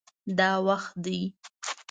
دا وخت دی